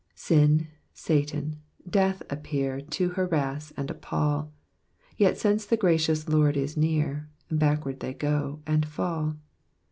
" Shi, Satan, Death appear To harass and appal : Yet since the g^icious Lord Is near, Backward they go, and fall.